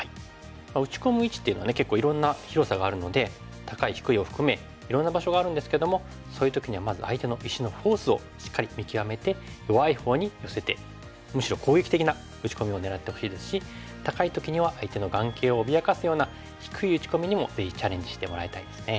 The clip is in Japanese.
打ち込む位置っていうのは結構いろんな広さがあるので高い低いを含めいろんな場所があるんですけどもそういう時にはまず相手の石のフォースをしっかり見極めて弱いほうに寄せてむしろ攻撃的な打ち込みを狙ってほしいですし高い時には相手の眼形を脅かすような低い打ち込みにもぜひチャレンジしてもらいたいですね。